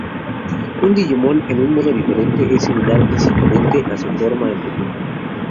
Un Digimon en un modo diferente es similar físicamente a su forma anterior.